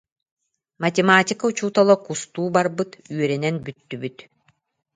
«Математика учуутала кустуу барбыт, үөрэнэн бүттүбүт»